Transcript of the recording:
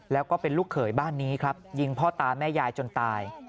แล้วก็เป็นลูกเขยบ้านนี้ครับยิงพ่อตาแม่ยายจนตาย